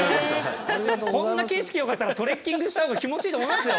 こんな景色よかったらトレッキングした方が気持ちいいと思いますよ